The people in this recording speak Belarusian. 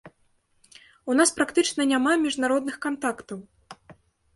У нас практычна няма міжнародных кантактаў!